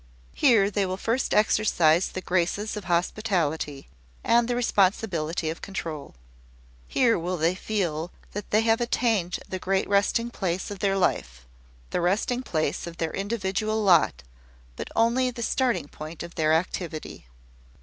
Here they will first exercise the graces of hospitality, and the responsibility of control. Here will they feel that they have attained the great resting place of their life the resting place of their individual lot, but only the starting point of their activity.